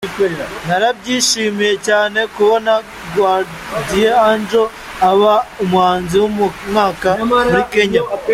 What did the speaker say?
Narabyishimjye cyane kubona Guardian Angel aba umuhanzi w'umwaka muri Kenya.